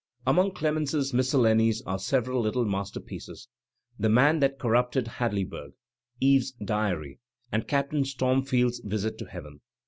Among Clemens's miscellanies are several little master pieces, "The Man That Corrupted Hadleyburg," "Eve's Diary," and "Captam Stormfield's Visit to Heaven."